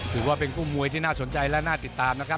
ถือว่าเป็นคู่มวยที่น่าสนใจและน่าติดตามนะครับ